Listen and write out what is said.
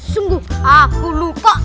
sungguh aku lupa